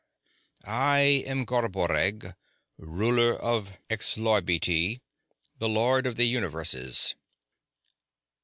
"I am Garboreggg, ruler of Xlarbti, the Lord of the Universes."